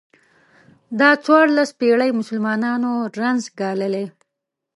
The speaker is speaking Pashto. دا څوارلس پېړۍ مسلمانانو رنځ ګاللی.